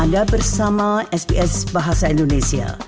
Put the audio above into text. anda bersama sps bahasa indonesia